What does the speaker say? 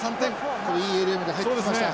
これいいエリアまで入ってきました。